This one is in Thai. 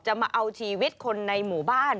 มาเอาชีวิตคนในหมู่บ้าน